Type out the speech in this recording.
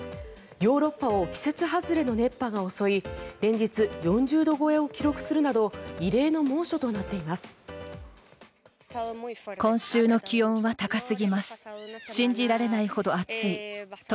ヨーロッパを季節外れの熱波が襲い連日、４０度超えを記録するなど異例の猛暑となっています。